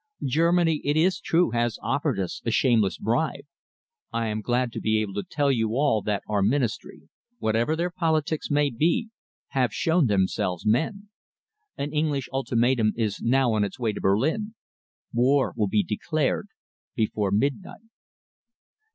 Germany, it is true, has offered us a shameless bribe. I am glad to be able to tell you all that our Ministry, whatever their politics may be, have shown themselves men. An English ultimatum is now on its way to Berlin. War will be declared before midnight."